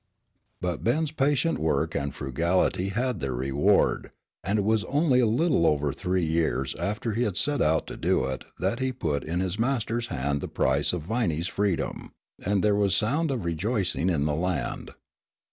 But Ben's patient work and frugality had their reward, and it was only a little over three years after he had set out to do it that he put in his master's hand the price of Viney's freedom, and there was sound of rejoicing in the land.